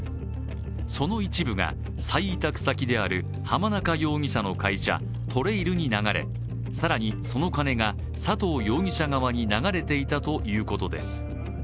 その一部が再委託先である浜中容疑者の会社ＴＲＡＩＬに流れ、更にその金が佐藤容疑者側に流れていたということです。